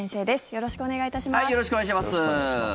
よろしくお願いします。